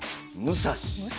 武蔵？